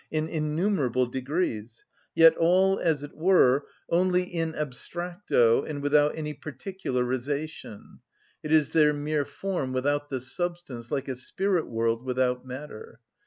in innumerable degrees, yet all, as it were, only in abstracto, and without any particularisation; it is their mere form without the substance, like a spirit world without matter.